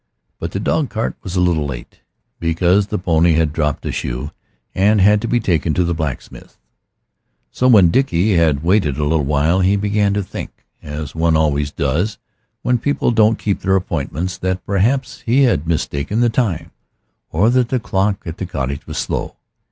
But the dog cart was a little late, because the pony had dropped a shoe and had had to be taken to the blacksmith's. So when Dickie had waited a little while he began to think, as one always does when people don't keep their appointments, that perhaps he had mistaken the time, or that the clock at the cottage was slow.